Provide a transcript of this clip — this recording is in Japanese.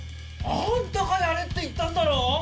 あんたがやれって言ったんだろ！